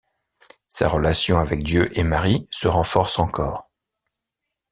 Sa relation avec Dieu et Marie se renforce encore.